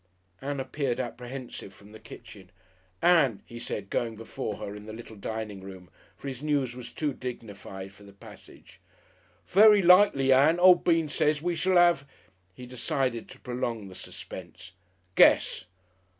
Ann appeared apprehensive from the kitchen. "Ann," he said, going before her into the little dining room, for his news was too dignified for the passage, "very likely, Ann, o' Bean says, we shall 'ave " He decided to prolong the suspense. "Guess!"